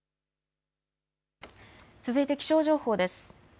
続いて気象情報です。